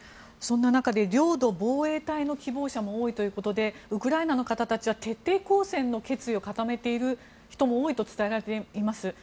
そんな中で領土防衛隊の希望者も多ということでウクライナの方たちは徹底抗戦の構えを強めている人も多いと聞きます。